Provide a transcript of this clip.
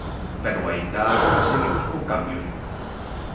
Pero aínda agora seguimos con cambios.